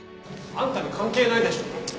あんたに関係ないでしょ。